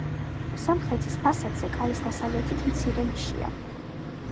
სამხრეთის ფასადზე, კარის დასავლეთით, მცირე ნიშია.